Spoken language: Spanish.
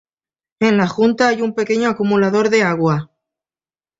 En la junta hay un pequeño acumulador de agua.